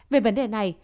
về vấn đề này